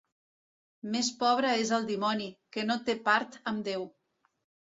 Més pobre és el dimoni, que no té part amb Déu.